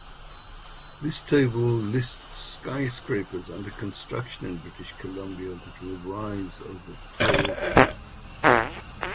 This table lists skyscrapers under construction in British Columbia that will rise over tall.